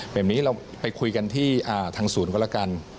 แบบนี้เราไปคุยกันที่ทางศูนย์ก็แล้วกัน